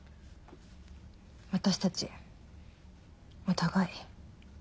私たちお互い。